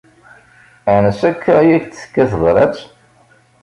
Ansi akka i ak-d-tekka tebrat.